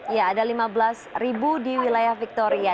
ya ada lima belas ribu di wilayah victoria